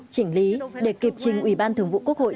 chỉnh lý để kịp trình ủy ban thường vụ quốc hội